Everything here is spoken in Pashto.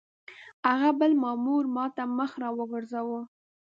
هغه بل مامور ما ته مخ را وګرځاوه.